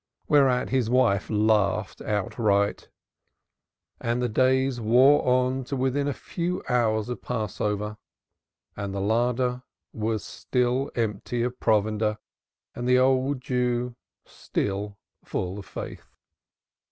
Whereat his wife laughed outright. And the days wore on to within a few hours of Passover and the larder was still empty of provender and the old Jew still full of faith.